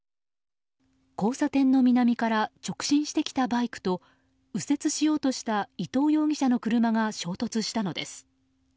交差点の南から直進してきたバイクと右折しようとした伊東容疑者の車が衝突したのです。